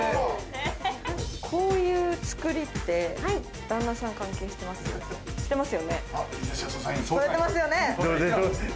こういう作りって旦那さん関係してます？